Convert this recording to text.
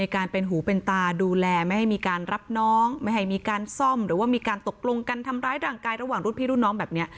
การเป็นหูเป็นตาดูแลไม่ให้มีการรับน้องไม่ให้มีการซ่อมหรือว่ามีการตกลงกันทำร้ายร่างกายระหว่างรุ่นพี่รุ่นน้องแบบนี้